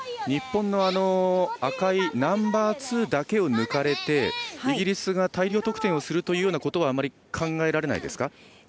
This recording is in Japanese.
日本の赤いナンバーツーだけを抜かれて、イギリスが大量得点をするというようなことはあまり考えられないですか。